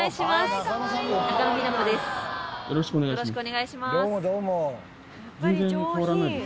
よろしくお願いします。